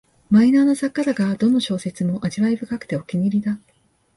マイナーな作家だが、どの小説も味わい深くてお気に入りだ